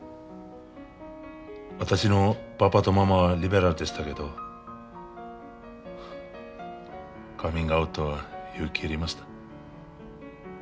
私のパパとママはリベラルでしたけどカミングアウトは勇気いりました。